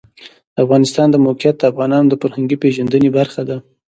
د افغانستان د موقعیت د افغانانو د فرهنګي پیژندنې برخه ده.